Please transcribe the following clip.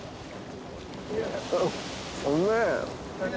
ううめえ。